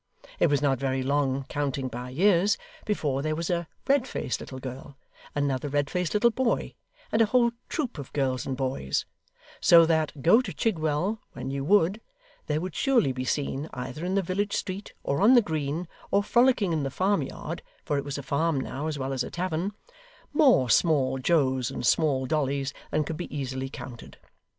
It was not very long, counting by years, before there was a red faced little girl, another red faced little boy, and a whole troop of girls and boys: so that, go to Chigwell when you would, there would surely be seen, either in the village street, or on the green, or frolicking in the farm yard for it was a farm now, as well as a tavern more small Joes and small Dollys than could be easily counted.